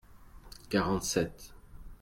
quarante sept.